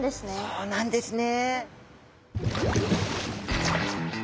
そうなんですね。